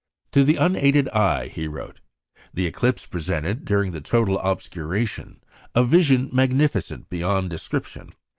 "To the unaided eye," he wrote, "the eclipse presented, during the total obscuration, a vision magnificent beyond description.